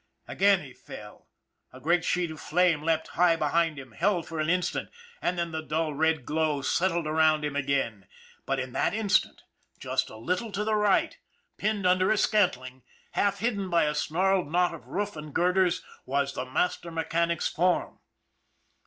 Again he fell. A great sheet of fire leapt high behind him, held for an instant, and then the dull red glow settled around him again but in that instant, just a little to the right, 208 ON THE IRON AT BIG CLOUD pinned under a scanling, half hidden by a snarled knot of roof and girders, was the master mechanic's form.